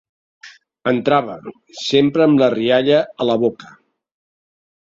Entrava, sempre am la rialla a la boca